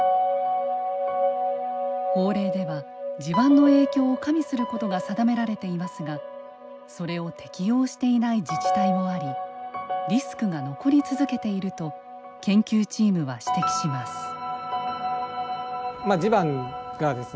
法令では地盤の影響を加味することが定められていますがそれを適用していない自治体もありリスクが残り続けていると研究チームは指摘します。